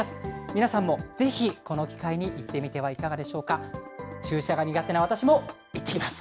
皆さんもぜひ、この機会に行ってみてはいかがでしょうか。